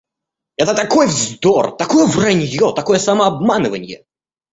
Это такой вздор, такое вранье, такое самообманыванье.